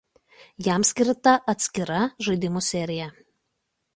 Jam skirta atskira žaidimų serija.